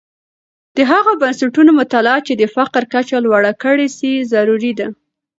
د هغه بنسټونو مطالعه چې د فقر کچه لوړه کړې سي، ضروری ده.